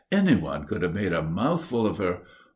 Anyone could have made a mouthful of her....